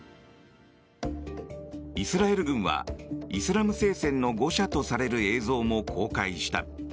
イスラエル軍はイスラム聖戦の誤射とされる映像も公開した。